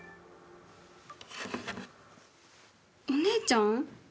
お姉ちゃん？